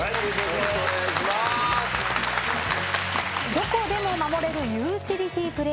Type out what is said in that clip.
どこでも守れるユーティリティープレーヤー。